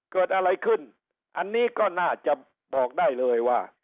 เกิดอะไรขึ้นอันนี้ก็น่าจะบอกได้เลยว่า